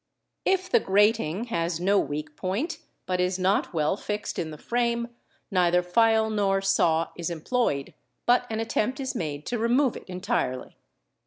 If the grating has no weak point but is not well fixed in the frame, neither file nor saw is employed, but an attempt is made to remove it entirely.